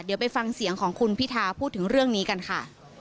เดี๋ยวไปฟังเสียงของคุณพิธาพูดถึงเรื่องนี้กันค่ะ